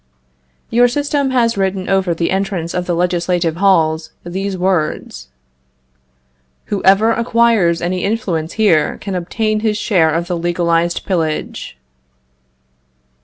Your system has written over the entrance of the legislative halls these words: "Whoever acquires any influence here can obtain his share of the legalized pillage."